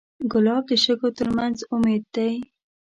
ګلاب د شګو تر منځ امید دی.